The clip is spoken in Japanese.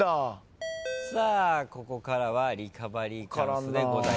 さあここからはリカバリーチャンスです。